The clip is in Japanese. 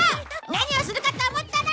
何をするかと思ったら！